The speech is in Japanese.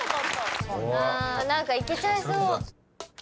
何かいけちゃいそう。